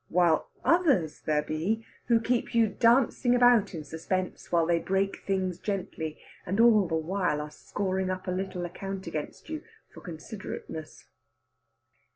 While others there be who keep you dancing about in suspense, while they break things gently, and all the while are scoring up a little account against you for considerateness.